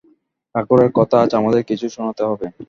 ঠাকুরের কথা আজ আমাদের কিছু শোনাতে হবে।